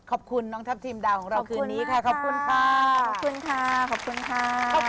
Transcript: ขอบคุณน้องทัพทีมดาวของเราคืนนี้ค่ะขอบคุณค่ะขอบคุณค่ะขอบคุณค่ะ